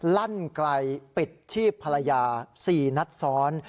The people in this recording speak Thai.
ลั่นไกลปิดชีพภรรยา๔นัดซ้อน